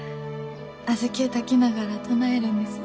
小豆を炊きながら唱えるんです。